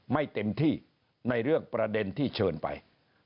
ไม่เต็มที่ในเรื่องประเด็นที่เชิญไป